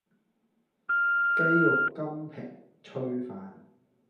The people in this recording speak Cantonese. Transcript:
雞肉金平炊飯